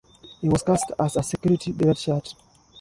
He was cast as a security redshirt.